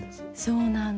そうなんだ。